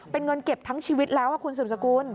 เป็นเงินเก็บทั้งชีวิตแล้วคุณสืบสกุล